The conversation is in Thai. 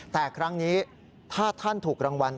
แต่ครั้งนี้ถ้าท่านถูกรางวัล